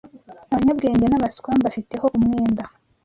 abanyabwenge n’abaswa, mbafiteho umwenda